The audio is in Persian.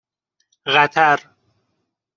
قطر